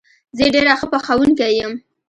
زه ډېره ښه پخوونکې یم